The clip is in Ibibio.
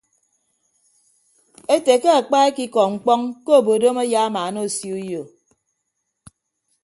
Ete ke akpa ekikọ mkpọñ ke obodom ayamaana osio uyo.